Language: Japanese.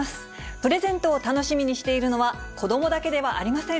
プレゼントを楽しみにしているのは子どもだけではありません。